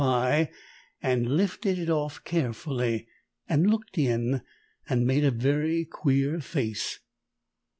pie and lifted it off carefully and looked in and made a very queer face.